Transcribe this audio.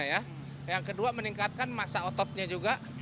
yang kedua meningkatkan masa ototnya juga